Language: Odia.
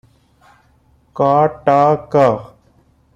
କଟକ ।